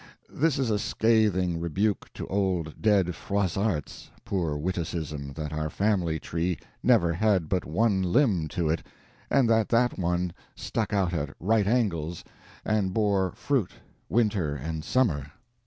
This is a scathing rebuke to old dead Froissart's poor witticism that our family tree never had but one limb to it, and that that one stuck out at right angles, and bore fruit winter, and summer.